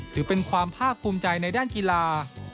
ถือเป็นความภาคภูมิใจในด้านกีฬา